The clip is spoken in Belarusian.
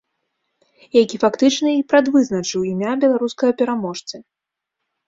Які, фактычна, і прадвызначыў імя беларускага пераможцы.